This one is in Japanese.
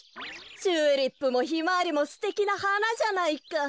チューリップもヒマワリもすてきなはなじゃないか。